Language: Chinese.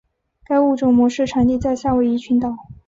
该物种的模式产地在夏威夷群岛。